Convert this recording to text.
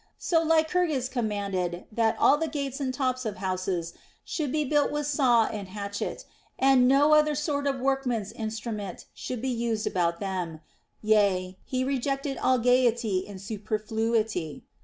So Lycurgus com manded that all the gates and tops of houses should be built with saw and hatchet, and no other sort of workmen's instrument should be used about them ; yea, he rejected all gayety and superfluity.